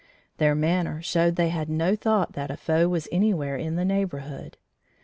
Their manner showed they had no thought that a foe was anywhere in the neighborhood.